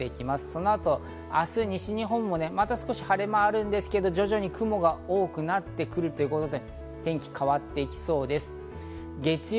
そのあと明日、西日本も少し晴れ間があるんですが、徐々に雲が多くなってくるということで天気が変わっていきそうです。